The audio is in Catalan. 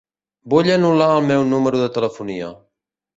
Vull anul·lar el meu número de telefonia.